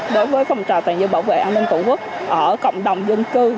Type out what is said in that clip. đối với phòng trò toàn dân bảo vệ an ninh tổ quốc ở cộng đồng dân cư